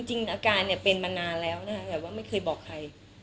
จริงอาการเป็นมานานแล้วนะครับไม่เคยบอกใคร